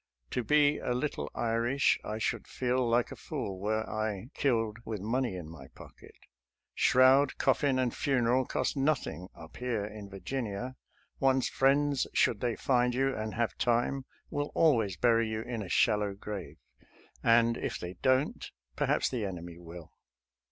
To be a little Irish, I should feel like a fool were I killed with money in my pocket; shroud, coffin, and funeral cost nothing up here in Virginia; one's friends, should they find you and have time, will always bury you in a shallow grave ; and, if they don't, perhaps the enemy will.